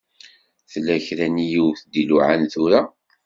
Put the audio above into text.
Tella kra n yiwet i d-iluɛan tura.